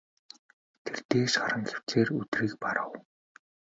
Тэр дээш харан хэвтсээр өдрийг барав.